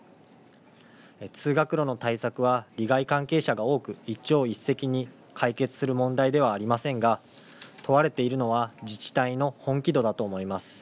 通学路の対策は利害関係者が多く一朝一夕に解決する問題ではありませんが問われているのは自治体の本気度だと思います。